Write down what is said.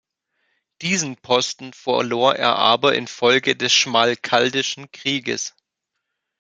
Diesen Posten verlor er aber infolge des Schmalkaldischen Krieges.